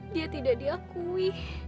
dia tidak diakui